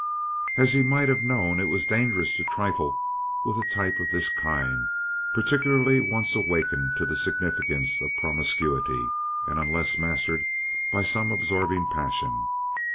As he might have known, it was dangerous to trifle with a type of this kind, particularly once awakened to the significance of promiscuity, and unless mastered by some absorbing passion.